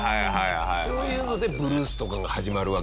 そういうのでブルースとかが始まるわけじゃん。